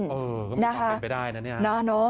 เออก็มีความเป็นไปได้นะเนี่ย